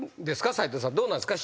斎藤さんどうなんですか？